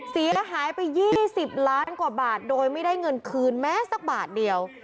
เสียหายไป๒๐ล้านกว่าบาทโดยไม่ได้เงินคืนแม้สักบาทเดียว